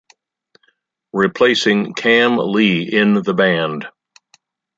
Replacing Kam Lee in the band.